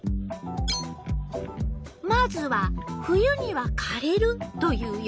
まずは「冬にはかれる」という予想。